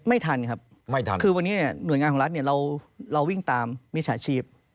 ไม่ทันครับคือวันนี้หน่วยงานของรัฐเราวิ่งตามมิจฉาชีพ